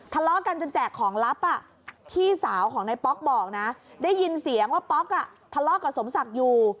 ทะเลาะกันจนแจกของลับพี่สาวของนายป๊อกบอกนะได้ยินเสียงว่าป๊อกทะเลาะกับสมศักดิ์อยู่